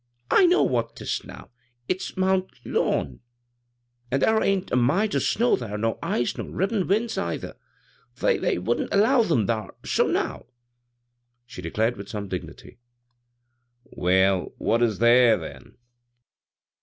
"I know what 'tis now. l^s Moant Laum ; an' thar ain't a mite o' snow thar, nor ice, nor rippin' big winds, tither. They — they wouldn't allow ^em thar — so now t " she de clared with some dignity. " Well, what is there, then